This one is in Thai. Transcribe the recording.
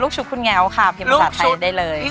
ชุดคุณแง๊วค่ะพิมพ์ภาษาไทยได้เลย